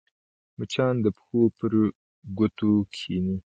مچان د پښو پر ګوتو کښېني